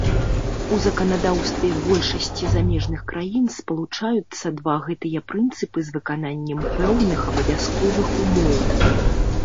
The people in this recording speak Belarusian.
У заканадаўстве большасці замежных краін спалучаюцца два гэтыя прынцыпы з выкананнем пэўных абавязковых умоў.